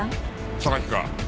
榊か。